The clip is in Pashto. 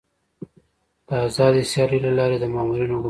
د آزادې سیالۍ له لارې د مامورینو ګمارل.